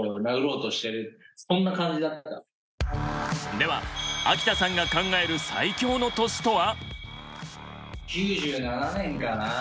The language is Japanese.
では秋田さんが考える最強の年とは？